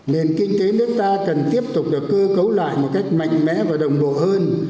nền kinh tế nước ta cần tiếp tục được cơ cấu lại một cách mạnh mẽ và đồng bộ hơn